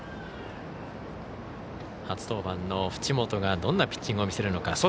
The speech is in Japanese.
初登板の淵本がどんなピッチングを見せるのか。